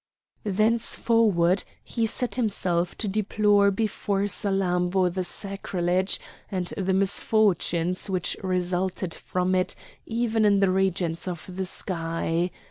Thenceforward he set himself to deplore before Salammbô the sacrilege and the misfortunes which resulted from it even in the regions of the sky.